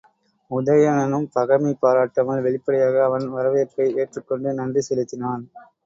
உதயணனும் பகைமை பாராட்டாமல் வெளிப்படையாக அவன் வரவேற்பை ஏற்றுக்கொண்டு நன்றி செலுத்தினான்.